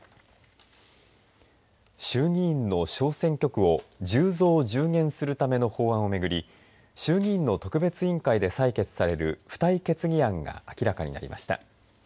衆議院の小選挙区を１０増１０減するための法案を巡り衆議院の特別委員会で採決される付帯決議案が明らかにりました。